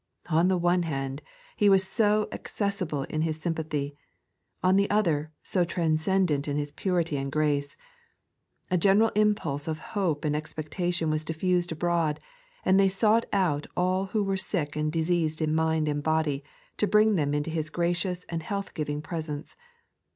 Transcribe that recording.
On the one hand. He was so accessible in His sympathy; on the other, so transcendent in His purity and grace. A general impulse of hope and ex pectation was diffused abroad, and they sought out all who were sick and diseased in mind and body, to bring them into His gracious ant health giving presence.